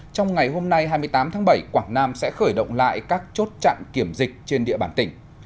trong ngày hôm nay hai mươi tám tháng bảy quảng nam sẽ khởi động lại các chốt chặn kiểm dịch trên địa bàn tỉnh